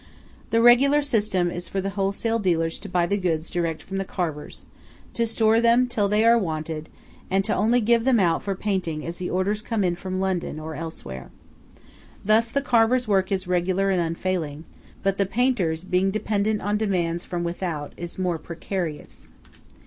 The regular system is for the wholesale dealers to buy the goods direct from the carvers; to store them till they are wanted; and only to give them out for painting as the orders come in from London or elsewhere. Thus the carver's work is regular and unfailing; but the painter's, being dependent on demands from without, is more precarious.